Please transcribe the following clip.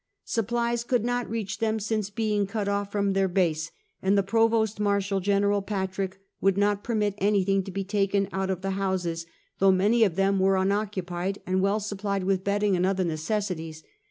Supplies could not reach them since being cut off from their base, and the Provost Marshal, Gen. Patrick, would not permit anything to be taken out of the houses, though many of them were unoccu pied, and well supplied with bedding and other neces saries.